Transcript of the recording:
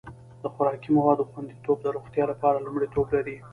د خوراکي موادو خوندیتوب د روغتیا لپاره لومړیتوب لري.